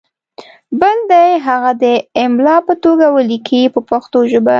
بل دې هغه د املا په توګه ولیکي په پښتو ژبه.